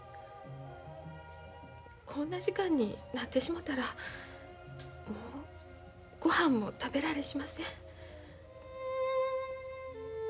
こんな時間になってしもたらもうごはんも食べられしません。